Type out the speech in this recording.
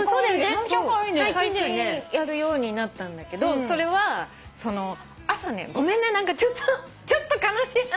最近やるようになったんだけどそれはそのう朝ねごめんね何かちょっとちょっと悲しい話。